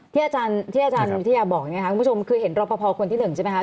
ที่ท่านอาจารย์บอกคุณผู้ชมคือเห็นรับประพอคนที่๑ใช่มั้ยครับ